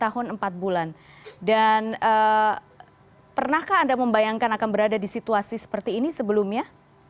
tahun empat bulan dan pernahkah anda membayangkan akan berada di situasi seperti ini sebelumnya